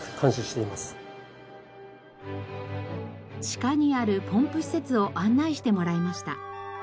地下にあるポンプ施設を案内してもらいました。